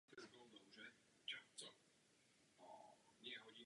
K dalšímu nasazení během první balkánské války.